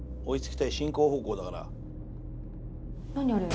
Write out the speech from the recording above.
追い付きたい進行方向だから。